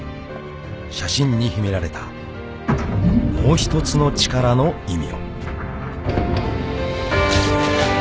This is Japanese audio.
［写真に秘められたもう１つの力の意味を］